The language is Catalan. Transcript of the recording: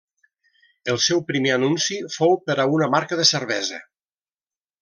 El seu primer anunci fou per a una marca de cervesa.